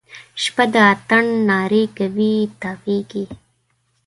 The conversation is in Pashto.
شپه د اتڼ نارې کوي تاویږي